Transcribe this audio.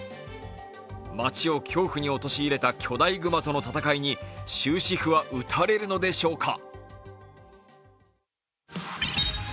街を恐怖に陥れた巨大グマとの戦いに終止符は打たれるのでしょうか。